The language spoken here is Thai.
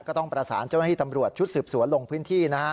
ก็ต้องประสานเจ้าหน้าที่ตำรวจชุดสืบสวนลงพื้นที่